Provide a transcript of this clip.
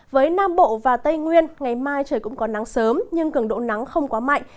với nam bộ và tây nguyên ngày mai trời cũng có nắng sớm nhưng cường độ nắng không quá mạnh